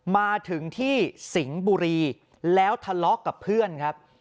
มาถึงที่สิงห์บุรีแล้วทะเลาะกับเพื่อนครับ